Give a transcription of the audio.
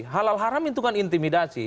halal haram itu kan intimidasi